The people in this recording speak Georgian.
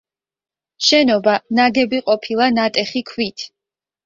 შენობა ნაგები ყოფილა ნატეხი ქვით.